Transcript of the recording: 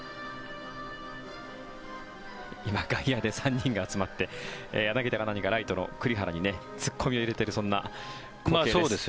今、外野で３人が集まって柳田が何かライトの栗原にツッコミを入れているそんな光景です。